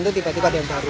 itu tiba tiba ada yang baru